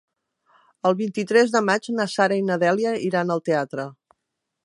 El vint-i-tres de maig na Sara i na Dèlia iran al teatre.